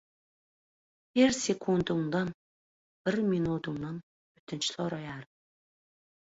Her sekundyňdan, her minudyňdan ötünç soraýaryn.